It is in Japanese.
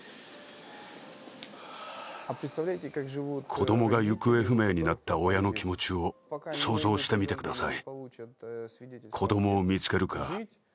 子供が行方不明になった親の気持ちを想像してみてください。